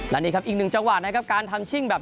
และนี่ครับอีกหนึ่งจังหวะนะครับการทำชิ่งแบบ